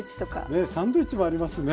ねえサンドイッチもありますね。